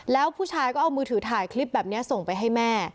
แล้วผู้ชายก็เอามือถือถ่ายคลิปแบบนี้ส่งไปให้แม่